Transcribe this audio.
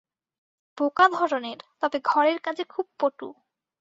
বোকা ধরনের তবে ঘরের কাজে খুব পটু।